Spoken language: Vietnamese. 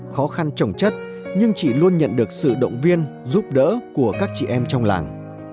khó khăn trồng chất nhưng chị luôn nhận được sự động viên giúp đỡ của các chị em trong làng